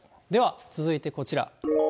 では続いてこちら。